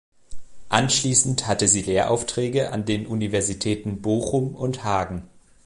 Anschließend hatte sie Lehraufträge an den Universitäten Bochum und Hagen.